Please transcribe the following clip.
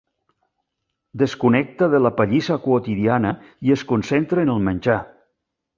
Desconnecta de la pallissa quotidiana i es concentra en el menjar.